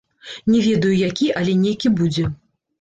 Не ведаю які, але нейкі будзе.